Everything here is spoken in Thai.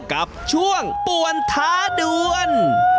กับช่วงปวนท้าเดือน